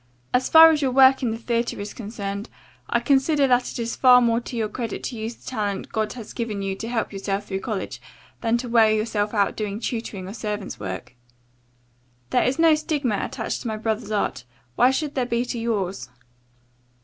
As far as your work in the theatre is concerned, I consider that it is far more to your credit to use the talent God has given you to help yourself through college, than to wear yourself out doing tutoring or servants' work. There is no stigma attached to my brother's art, why should there be to yours?"